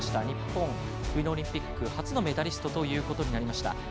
日本、冬のオリンピック初のメダリストとなりました。